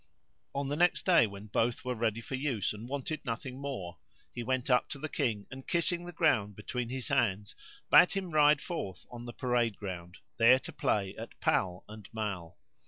On the next day when both were ready for use and wanted nothing more, he went up to the King; and, kissing the ground between his hands bade him ride forth on the parade ground[FN#81] there to play at pall and mall.